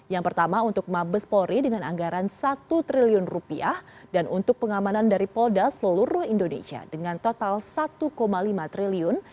yang pertama untuk mabes polri dengan anggaran rp satu triliun dan untuk pengamanan dari polda seluruh indonesia dengan total satu lima triliun